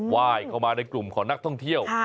ไหว้เข้ามาในกลุ่มของนักท่องเที่ยว